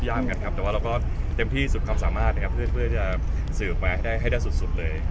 พยายามกันครับแต่ว่าเราก็เต็มที่สุดความสามารถเพื่อจะสืบมาให้ได้สุดเลย